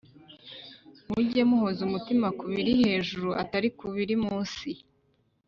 Mujye muhoza umutima ku biri hejuru atari ku biri mu si